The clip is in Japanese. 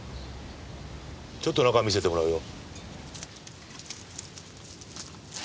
ちょっと中見せてもらうよ。